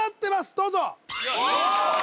どうぞ